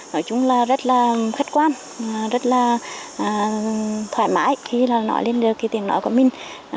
nói chung là rất là khách quan rất là thoải mái khi là nói lên được cái tiếng nói của mình